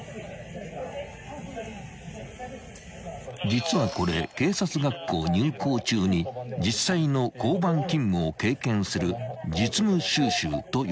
［実はこれ警察学校入校中に実際の交番勤務を経験する実務修習と呼ばれるもの］